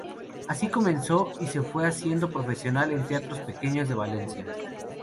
Así comenzó y se fue haciendo profesional en teatros pequeños de Valencia.